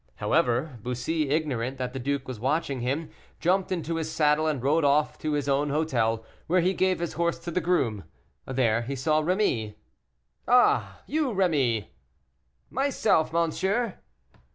However, Bussy, ignorant that the duke was watching him, jumped into his saddle and rode off to his own hotel, where he gave his horse to the groom. There he saw Rémy. "Ah! you Rémy?" "Myself, monsieur."